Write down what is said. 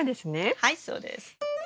はいそうです。